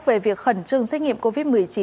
về việc khẩn trương xét nghiệm covid một mươi chín